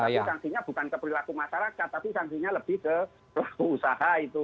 tapi sanksinya bukan ke perilaku masyarakat tapi sanksinya lebih ke pelaku usaha itu